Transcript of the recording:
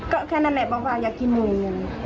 ก็แค่นั้นแหละบอกว่าอยากกินหมูอย่างนี้